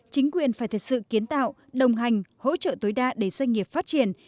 chính quyền phải thật sự kiến tạo đồng hành hỗ trợ tối đa để doanh nghiệp phát triển